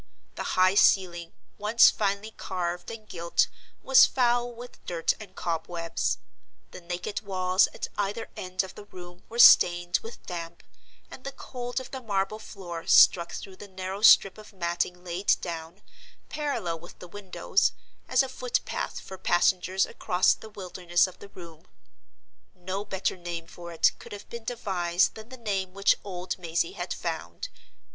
The high ceiling, once finely carved and gilt, was foul with dirt and cobwebs; the naked walls at either end of the room were stained with damp; and the cold of the marble floor struck through the narrow strip of matting laid down, parallel with the windows, as a foot path for passengers across the wilderness of the room. No better name for it could have been devised than the name which old Mazey had found.